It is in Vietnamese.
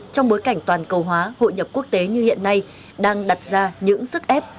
trong bối cảnh toàn cầu hóa hội nhập quốc tế như hiện nay đang đặt ra những sức ép